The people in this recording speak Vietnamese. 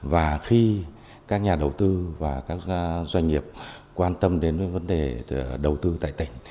và khi các nhà đầu tư và các doanh nghiệp quan tâm đến vấn đề đầu tư tại tỉnh